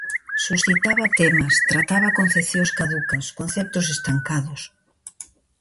Suscitaba temas, trataba concepcións caducas, conceptos estancados.